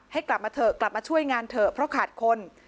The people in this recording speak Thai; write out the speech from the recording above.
ให้กลับมาเถอะกลับมาช่วยงานเถอะเพราะขาดคน